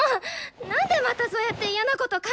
なんでまたそうやって嫌なこと考えるの！